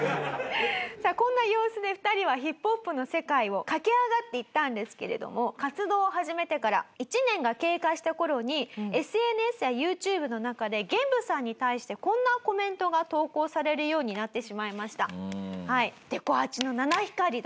さあこんな様子で２人はＨＩＰＨＯＰの世界を駆け上がっていったんですけれども活動を始めてから１年が経過した頃にＳＮＳやＹｏｕＴｕｂｅの中でゲンブさんに対してこんなコメントが投稿されるようになってしまいました。